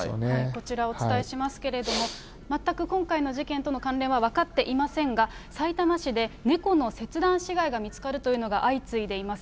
こちら、お伝えしますけれども、全く今回の事件との関連は分かっていませんが、さいたま市で猫の切断死骸が見つかるというのが相次いでいます。